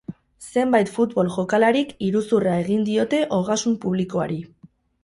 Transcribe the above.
Zenbait futbol jokalarik iruzurra egin diote ogasun publikoari.